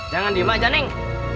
jangan di maja neng